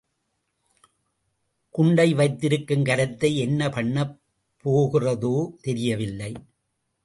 குண்டை வைத்திருக்கும் கரத்தை என்ன பண்ணப் போகிறதோ தெரியவில்லை.